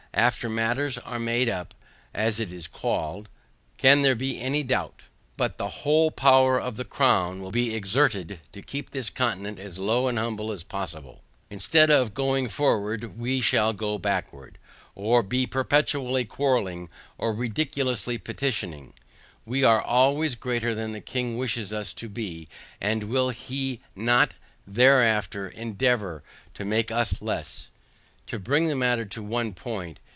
After matters are made up (as it is called) can there be any doubt, but the whole power of the crown will be exerted, to keep this continent as low and humble as possible? Instead of going forward we shall go backward, or be perpetually quarrelling or ridiculously petitioning. We are already greater than the king wishes us to be, and will he not hereafter endeavour to make us less? To bring the matter to one point.